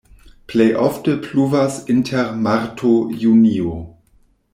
Plej ofte pluvas inter marto-junio.